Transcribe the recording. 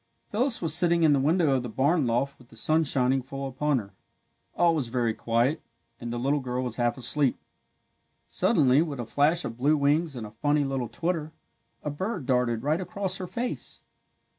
Phyllis was sitting in the window of the barn loft with the sun shining full upon her. All was very quiet and the little girl was half asleep. Suddenly, with a flash of blue wings and a funny little twitter, a bird darted right across her face.